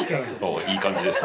おいい感じですね。